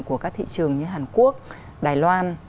của các thị trường như hàn quốc đài loan